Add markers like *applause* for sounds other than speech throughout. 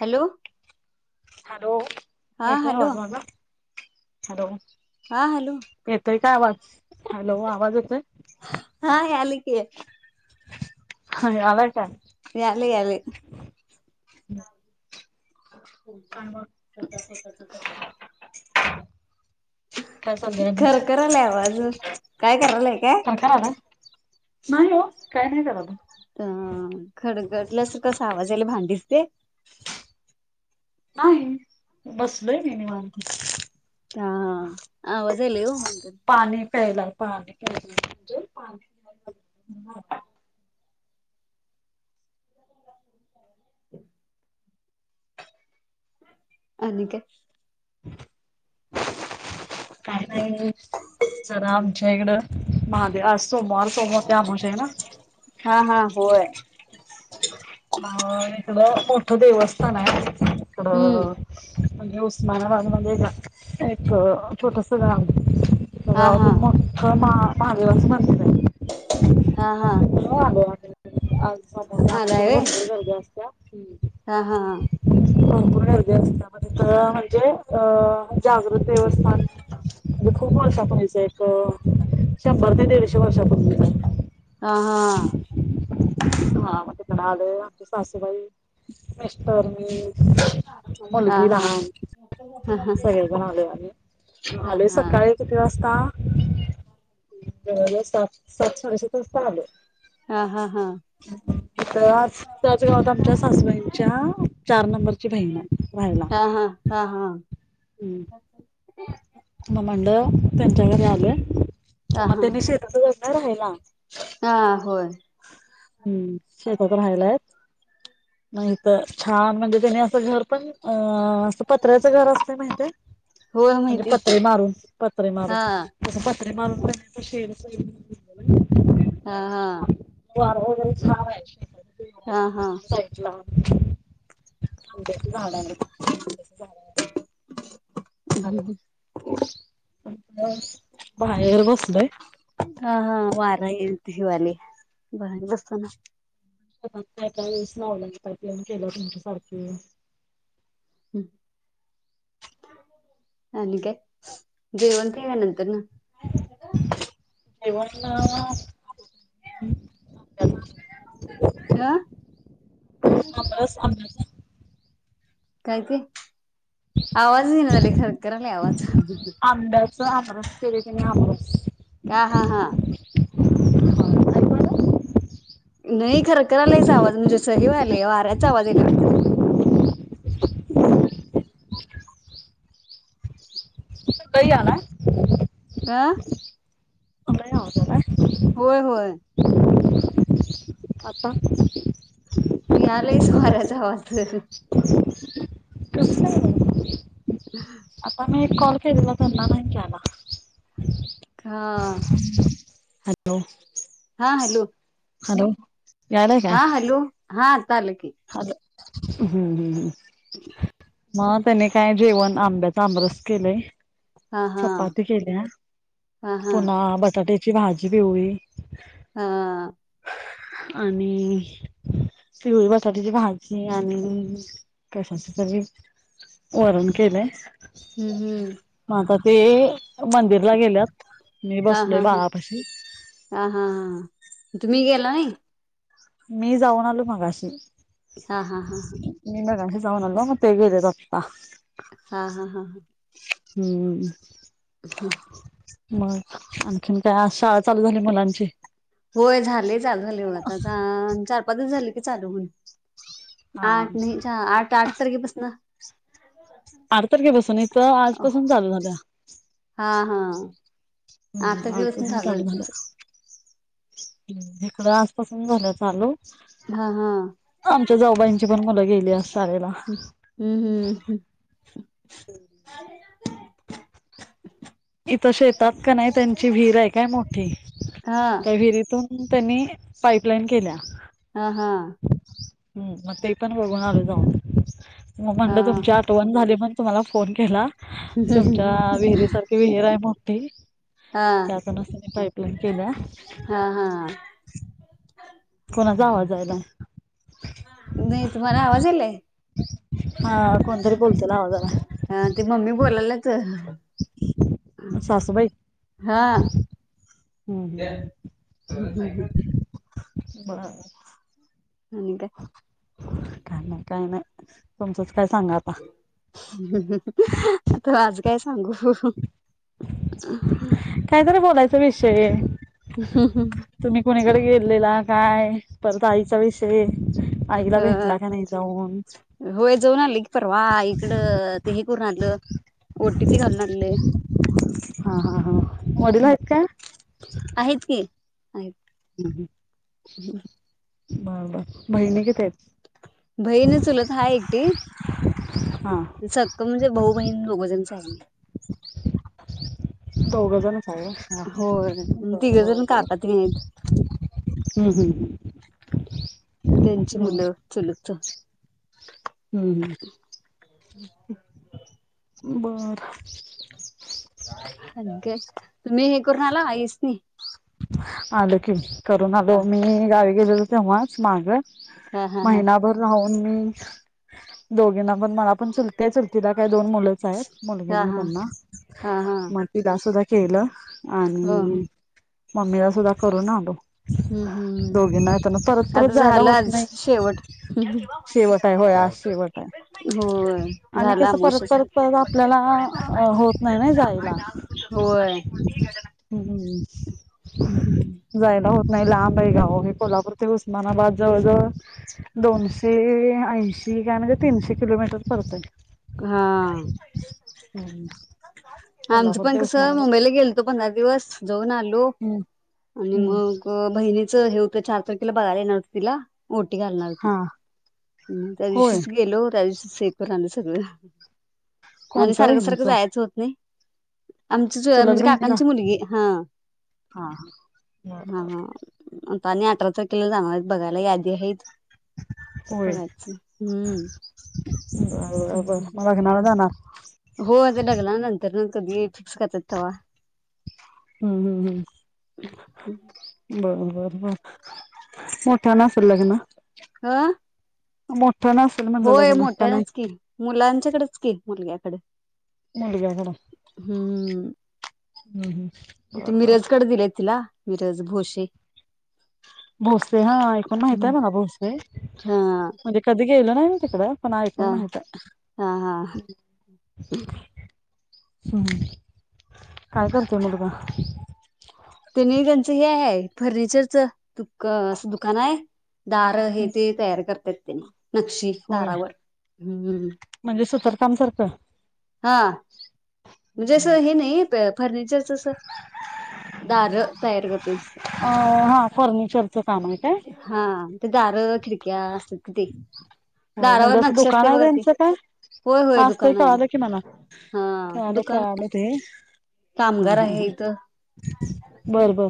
Hello hello हा हे hello *inaudible* hello हा हॅलो येतोय का आवाज? हॅलो आवाज येतोय हा याले की *unintelligible* याले याले हम् हं स्वतः स्वतःच काय चाललंय *unintelligible* *inaudible* आणि खरखर लाय आवाज. काय करायलाय काय. नाही हो काय नाही करायला अम्म *unintelligible* आवाज आला भांडी. ते नाही. बसलेय मी निवांत. हा आवाज यायलाय ओ पाणी प्यायला *unintelligible* *inaudible* आणि काय. काय नाही. नाही ओ. जरा आमच्याईकड *inaudible* ते आज सोमवार सोमवार अमावस्या आहे ना. हा हा होय अ इकडं मोठं देवस्थान आहे. हम्म इकडं म्हणजे उस्मानाबाद मध्ये. एक छोटस हा गाव हा आहे *inaudible* *inaudible* हा हा *inaudible* *inaudible* *inaudible* संपूर्णग आलाय व्हय हा हा हा अस इथ म्हणजे अ जागृत देवस्थान म्हणजे खूप वर्षापूर्वीच एक शंभर ते दीडशे वर्षापूर्वीच *unintelligible* हा हा. हा माज पण आलं. आमचे सासूबाई मिस्टर मी. हा मुलगी हा लहान हा हा सगळे पण आलोय आम्ही. हा आलोय सकाळी किती वाज सात साडे सात वाजता आलोय. हा हा हा हा हा *inaudible* त्याच गावत आमच्या सासूबाईंच्या चार नंबरची बहीण हाय. हा हा हा हा. हम्म मग म्हणलं त्यांच्या घरी आलोय. हा मग हा त्यांनी शेतात रहायला. हा होय हम्म. शेतात रहायला आहेत. नाही तर छान म्हणजे त्याने असं घर पण अ असं पत्र्याचं घर असत माहित होय म्हणजे माहितीय की पत्रे मारून पत्रे मारून हा ज प अरे म शेड हा हा वग हा हा *unintelligible* आ झा झा बाहेर बसलोय. हा हा वारा येईल हिवाली बघ दिसत ना. स्वतः कास नावलं पाहितीन केलं तुमच्या सारखे हम् आणि काय जेवण केल्यानंतर न जेवणला. ह आमरस आमरस कायते. आवाजच येईना झालय खरखरलय आवाज आंब्याच आमरस केले त्याने का हा हा. ह *unintelligible* नाही खरखरालयच आवाज म्हणजे स हेवा आलेय. वाऱ्याचा आवाज आल्यावर त आहे ना आ *inaudible* होय होय. आता यायलयच *inaudible* वास *unintelligible* ह आता मी एक कॉल केला त्यांना नाही कला. हा हॅलो हा हॅलो हॅलो यायलाय काय हा हॅलो हा आल की हॅलो हम्म हम् ह् *inaudible* मग त्याने काय जेवण आंब्याचा आंबरस केलंय हा हा चपाती केल्या हा हा पुन्हा बटाटे ची भाजी पिवळी हा आणि *inaudible* भाजी आणि कशाच तरी वरण केलंय हम्म हम्म मग आता ते मंदिरला गेल्यात मी हा बसलोय हा हा बाळापाशी हा हा हा तुम्ही गेला नाही मी जाऊन आलो मगाशी हा हा हा हा मी मगाशी जाऊन आलो मग ते गेलेत आतां हा हा हा हा हम्म हम्म मग आणखीन काय आज शाळा चालू झाली मुलांची होय झाले चालू झाली बघा चार पाच दिवसं झाली चालू हून हा आठ नाही आठ आठ तारखेपास न बारा तारखे पासून आहेत तर आजपासून चालू झालं ह हा हा हम्म आठ आ त तारखेपासून चालू झालं झाला तिचं हा *unintelligible* हा आमच्या जाऊबाईंची पण मुलं गेली आज शाळेला हम्म हम्म हम्म. हम् इथं शेतात कानय त्यांची विहीर आहे काय मोठी हा त्या विहिरीतून त्यांनी पाईपलाईन केल्या हा हा हम्म मग ते पण बघून आलो जाऊन मग हा म्हणलं तुमची आठवण झालीण तुम्हाला फोन केला तुमच्या विहिरीसारख विहिर आहे मोठी हा त्यात नसता म पाईपलाईन केल्या हा हा कोणाचा आवाज यायला नाही तुम्हाला आवाज यलाय हा कोणतरी बोलतेला आवाज आला ह ते मम्मी बोलालंच सासूबाई हा. हम्म हम्म *inaudible* बर. आणि काय तुमचं. आता आज काय सांगू कायतरी बोलायचा विषय तुम्ही कोणीकडे गेलेला काय परत आईचा विष ह जाऊन होय जाऊन आली की परवा आई कड ते हे करून आलं ओ टी. पी घालून आली. हा हा हा वडील आहेत का. आहेत की आहेत. बा बार. बहीण चुलत हा एकटी हां सक्क म्हणजे बऊ बहीण दगोजनचा आहे आम्ही. चौघे जण. ह होय तिघ बर बर जण बर. काका तेन आहेत हम्म हम्म हम्म. त्यांची मुलं चलतच हम्म हम्म. *unintelligible* बर. *unintelligible* तुम्ही हे करून आला आईस नी आल की करून आलो हा मी गावी लं तेव्हाच माग हा हा हा महिनाभर राहुण हम्म दोघिना मला पण चुकत्याच चुलतीला काय दोन मुलाच मुलगी हा नाही हा त्यांना हा हा मग तिला सुद्धा केलं. हो आणि हम्म ममीला सुद्धदा करून न आलो हम्म दोघीना परत परत आता जायला झालं होत आज नाही शेवट शेवट आहे होयआज शेवट आहे होय आणि झाला कसं परत अमावश्याचा परत परत आपल्याला होत नाही ना जायला होय हम जायला हो नाही लांब आहे गाव हे कोल्हापूर ते उस्मानाबाद जवळजवळ दोनशे ऐंशी काय म्हणजे तीनशे किलोमीटर पडतंय हा हम्म आमचं कोल्हापूर पण ते कस उस्मानाबाद मुंबईला गेलतो पंधरा दिवस जाऊन आल हम्म आणि हम्म मग बहिणीच हे चार तारखेला बघाय येणार होते तिला. ओठी घालणार होतीत हा म त्या होय दिवशीच गेलो त्या दिवशी *unintelligible* सगळं आणि कोणत्या सारखं सारखं बहिणीचं जायाचं होत नाही. आमची चू अ चुलत म्हणजे बहिणीला काकांची मुलगी हा, हा हा *unintelligible* हा. आणि अठरा तारखेला जाणार येत बघायला यादी आहेत. ते होय पण आहेच हम्म. *unintelligible* हना. हो आता लग्ना नंतर न कधी फिक्स करतात तवा हम्म हम्म हं बर बर बर. मोठ्यानं असलं लग्न ह मोट होय मोठ्यानचं कि मुलांच्याकडच कि मुलग्याकड. मुलग्याकडं हम्म हम्म हम्म त बर बर मिरजकड दिलय तिला. मिरज भोशे भोसले हा ऐकून माहितय हम्म मला भोसले हा. म्हणजे कधी गेलं नाही न तिकडं. पण ऐकुण हा हा हा माहिताय. हम् काय करतय मुलगा? तेनी त्यांचं हे आहे फर्निचरच त क असं दुकान आहे दार हे ते तयार करत्यात. त्यांनी नक्षी होय दारावर हम्म थॉमसारखं. हा. म्हणजे असं हे नाही पेप फर्नि चर जस दार तयार करतोय तसं नाय का ते दार खिडक्या असं किते होय म्हणजे असं दुकान आहे त्यांचं का? होय होय आजतर दुकान आहे कळालं की मला हा कळालं दुकान कळालं ते हा हा कामगार आहे हम्म बर बर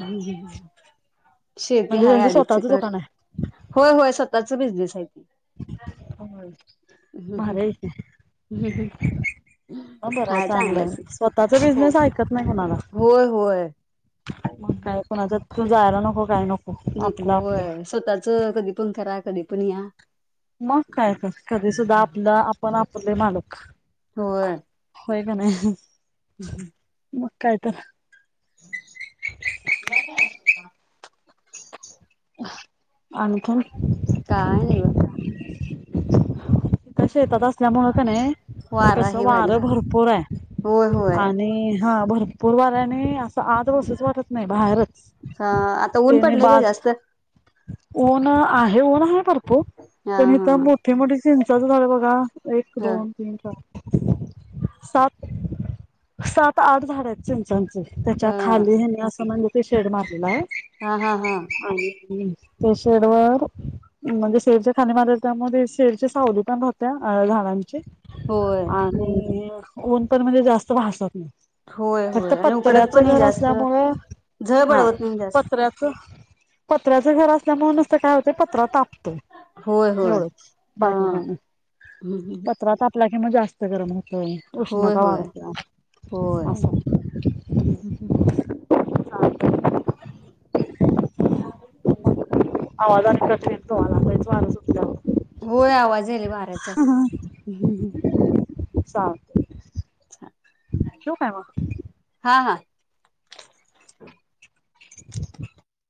हम्म हम्म शेती म्हणजे हाय त्यांचं अडीच स्वतःच एकर, दुकान आहे होय होय स त्याचं बिझनेस आहे. हम्म भारी आहे ते, हम्म हम्म हाय चांगलं आहे चांगलंच स्वतःचा हो बिझनेस ऐकत नाही कोणाला होय होय मग कायपण फक्त जायला नको काय नको आपलं नकोय आपलं स्वतःच कधी पण करा कधी पन या मग काय तर कधी सुधा आपलं आपण आप आपले मालक होय. पण हम्म हम्म. मग कायतर *inaudible* आणखीन काय नाही ब तिथं शेतात अस त्यामुळे का नाही वारा तसं हे व्हायले वारं भरपूर होय आहे होय आणि हा भरपूर वऱ्याने असं आज बसूच वाटत नाही बाहेरच ह आता ऊन त्याने पडलंय का बाज जास्त? ऊन आहे ऊन भरपूर हा पण इथं मोठी मोठी चिंचेचं झाड बघा एक हा दोन तीन चार सात सात आठ झाड आहेत चिंचांची त्याच्या ह खाली ह्यांना अस शेड मारल्यात हा हा हा ते शेडवर *unintelligible* खाणे मार त्यामध्ये शेड ची सावली पण होत्या होय आणि ऊन पण म्हणजे जास्त भासत नाही होय फक्त होय आणि उकडत पण पत्र्याचं आहे घर जास्त असल्यामुंळ झळ हा बडवत नाही जास्त पत्र्याचं पत्र्यांच त्रास मुळे काय होत पत्र तापतोय होय होय एवढंच हा बाकी काय नाही हम्म हम्म. पत्रा तापला मग जास्त गरम होत हो होय उष्णता होय वाढत होय अस *inaudible* *unintelligible* होय आवाज यायलाय वाऱ्याचा *inaudible* अच्छा ठेऊ काय मग हा *inaudible*